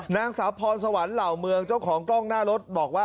นางสาวพรสวรรค์เหล่าเมืองเจ้าของกล้องหน้ารถบอกว่า